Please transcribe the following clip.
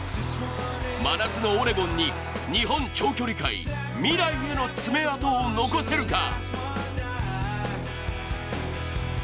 真夏のオレゴンに日本長距離界未来への爪痕を残せるか。